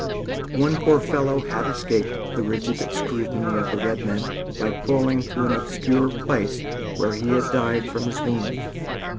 One poor fellow had escaped the rigid scrutiny of the red men by crawling to an obscure place where he had died from his wounds.